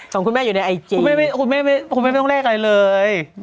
สองคุณแม่อยู่ในอายจีนคุณแม่ไม่ต้องแลกอะไรเลย